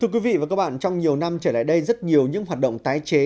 thưa quý vị và các bạn trong nhiều năm trở lại đây rất nhiều những hoạt động tái chế